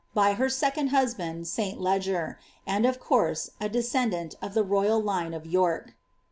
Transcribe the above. by her second husband, St. Leger, and of course a ndant of the royal line of York.